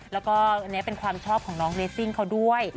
แล้วก็อันนี้เป็นความชอบของน้องเรสซิ่งเขาด้วย